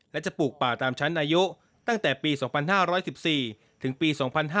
และจะปลูกป่าตามชั้นอายุตั้งแต่ปี๒๕๑๔ถึงปี๒๕๕๙